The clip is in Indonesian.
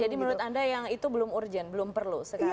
jadi menurut anda yang itu belum urgent belum perlu sekarang